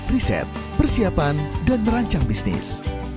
riset persiapan dan merancang bisnis